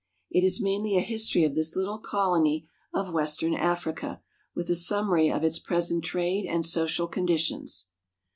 It is mainly a history of this little colony of Western Africa, with a summary of its present trade and social conditions.